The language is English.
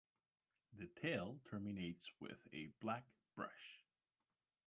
The tail terminates with a black brush.